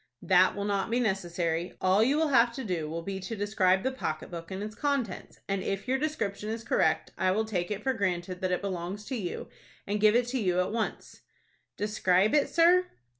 "That will not be necessary. All you will have to do will be to describe the pocket book and its contents, and, if your description is correct, I will take it for granted that it belongs to you, and give it to you at once." "Describe it, sir?"